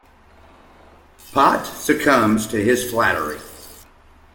Pot succumbs to his flattery.